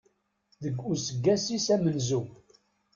Deg useggas-is amenzu.